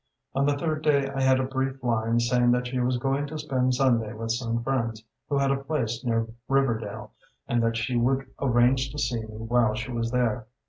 "On the third day I had a brief line saying that she was going to spend Sunday with some friends who had a place near Riverdale, and that she would arrange to see me while she was there.